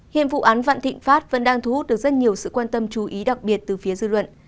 hiện vụ án vạn thịnh pháp vẫn đang thu hút được rất nhiều sự quan tâm chú ý đặc biệt từ phía dư luận